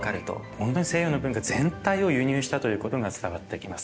本当に西洋の文化全体を輸入したということが伝わってきます。